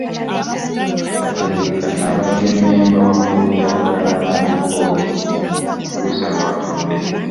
Kateregga abadde mmemba wa bboodi ya Buganda Land Board okutuusa lw’afudde.